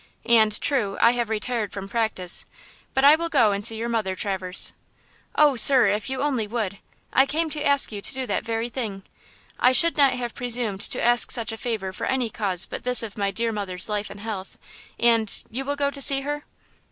And–true I have retired from practice, but I will go and see your mother, Traverse." "Oh, sir, if you only would! I came to ask you to do that very thing. I should not have presumed to ask such a favor for any cause but this of my dear mother's life and health, and–you will go to see her?"